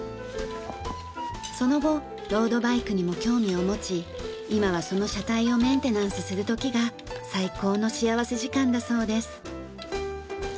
その後ロードバイクにも興味を持ち今はその車体をメンテナンスする時が最高の幸福時間だそうです。